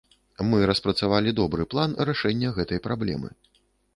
Мы распрацавалі добры план рашэння гэтай праблемы.